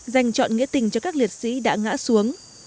dành chọn nghĩa tình cho các liệt sĩ đã ngã xuống